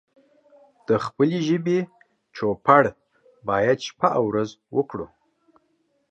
د خپلې ژبې چوپړ بايد شپه او ورځ وکړو